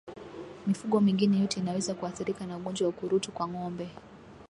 Mifugo mingine yote inaweza kuathirika na ugonjwa wa ukurutu kwa ngombe